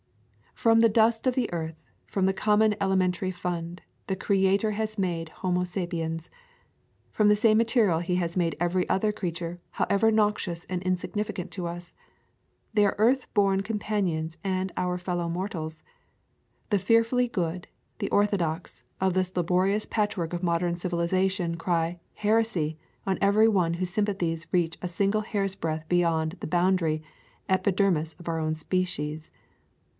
From the dust of the earth, from the common elementary fund, the Creator has made Homo sapiens. From the same material he has made every other creature, however noxious and in significant to us. They are earth born com panions and our fellow mortals. The fearfully good, the orthodox, of this laborious patch work of modern civilization cry "Heresy" on every one whose sympathies reach 'a single hair's breadth beyond the boundary epider mis of our own species.